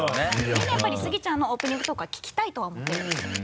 みんなやっぱりスギちゃんのオープニングトークは聞きたいとは思ってるんですよ。